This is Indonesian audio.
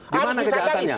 di mana kejahatannya